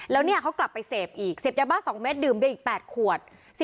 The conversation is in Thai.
แล้วเนี่ยเขากลับไปเสพอีกเสพยาบ้า๒เม็ดดื่มเบียอีก๘ขวด